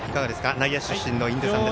内野手出身の印出さんです。